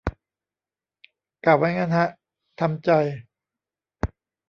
กะไว้งั้นฮะ ทำใจ